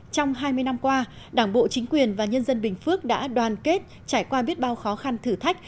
trong hai mươi năm qua đảng bộ chính quyền và nhân dân bình phước đã đoàn kết trải qua biết bao khó khăn thử thách